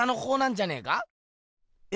え？